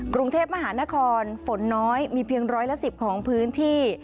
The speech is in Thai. กรุงเทพมหานครฝนน้อยมีเพียงร้อยละ๑๐ของพื้นที่